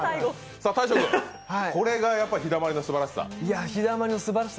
大昇君、これがひだまりのすばらしさ。